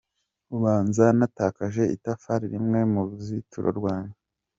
Ubanza natakaje itafari rimwe mu ruzutiro rwanjye.